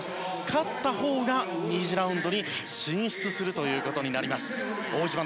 勝ったほうが２次ラウンドに進出することになります。